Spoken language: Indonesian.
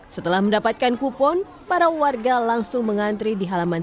setelah mendapatkan kupon para warga langsung mengantri di halaman